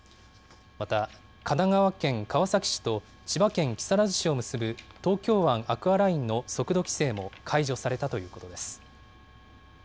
また、神奈川県川崎市と千葉県木更津市を結ぶ東京湾アクアラインの速度規制も解除されたということです。